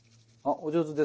お上手です。